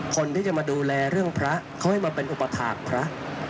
คนที่จะมาดูแลเรื่องพระเขาให้มาเป็นอุปถาคพระ